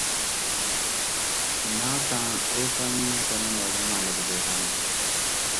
نہ تاں او تاں اِیویں کرݨ والے نہ لڳدے ہَن ۔